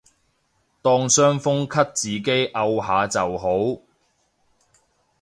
當傷風咳自己漚下就好